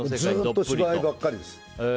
ずっと芝居ばっかりです。